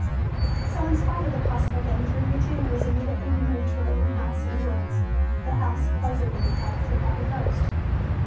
So in spite of the possible danger Eugenia was immediately removed to her own house in the woods, the house supposedly inhabited by a ghost.